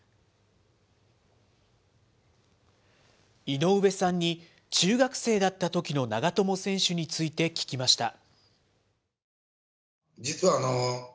井上さんに、中学生だったときの長友選手について聞きました。